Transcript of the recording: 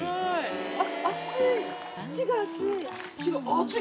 熱い！